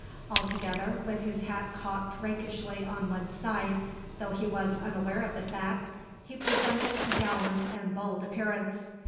Altogether, with his hat cocked rakishly on one side, though he was unaware of the fact, he presented a gallant and bold appearance.